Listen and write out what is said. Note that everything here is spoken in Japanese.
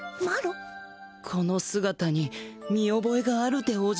このすがたに見おぼえがあるでおじゃる。